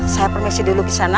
saya permisi dulu sana